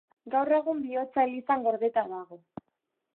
Gaur egun bihotza elizan gordeta dago.